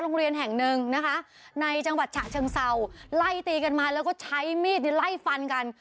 โรงเรียนแห่งหนึ่งนะคะในจังหวัดฉะเชิงเศร้าไล่ตีกันมาแล้วก็ใช้มีดไล่ฟันกัน